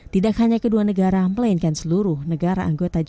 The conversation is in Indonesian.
tidak hanya kedua negara melainkan seluruh negara anggota g dua puluh